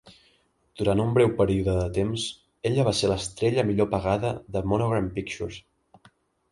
Durant un breu període de temps, ella va ser l"estrella millor pagada de Monogram Pictures.